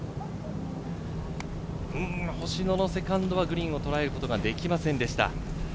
星野のセカンドはグリーンをとらえることができませんでした。